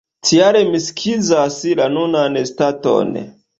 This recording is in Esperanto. Tial mi skizas la nunan staton.